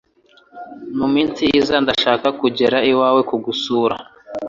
mu minsi iza ndashaka kugera iwawe kugusura